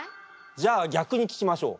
じゃあ逆に聞きましょう。